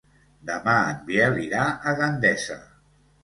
Demà en Biel irà a Gandesa.